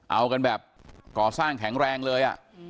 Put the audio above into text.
เอากันแบบก่อสร้างแข็งแรงเลย